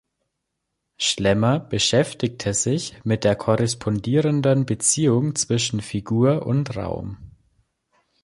Schlemmer beschäftigte sich mit der korrespondierenden Beziehung zwischen Figur und Raum.